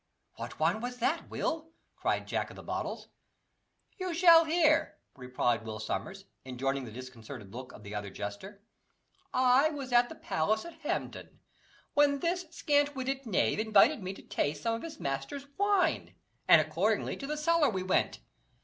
"What wine was that, Will?" cried Jack of the Bottles. "You shall hear," replied Will Sommers, enjoying the disconcerted look of the other jester. "I was at the palace at Hampton, when this scant witted knave invited me to taste some of his master's wine, and accordingly to the cellar we went.